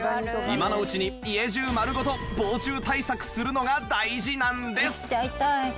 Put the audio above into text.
今のうちに家中まるごと防虫対策するのが大事なんです